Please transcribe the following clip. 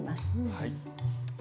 はい。